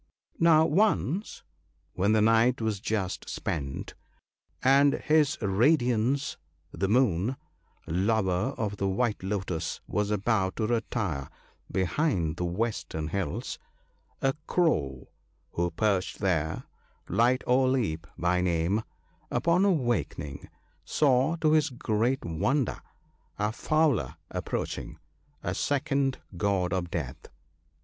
Now once, when the night was just spent, and his Radiance the Moon ("), Lover of the white lotus, was about to retire behind the western hills, a Crow ( 10 ) who perched there, 'Light o' Leap' by name, upon awakening, saw to his great wonder a fowler approaching — a second God of Death